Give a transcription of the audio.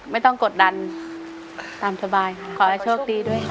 ไม่ต้องกดดันตามสบายค่ะขอให้โชคดีด้วยค่ะ